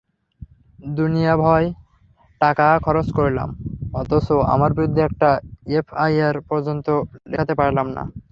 দুনিয়াভর টাকা খরচ করলাম, অথচ আমার বিরুদ্ধে একটা এফআইআর পর্যন্ত লিখাতে পারলাম না।